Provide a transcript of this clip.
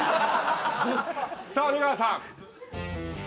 さあ出川さん。